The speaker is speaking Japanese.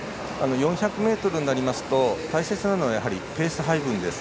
４００ｍになりますと大切なのはペース配分です。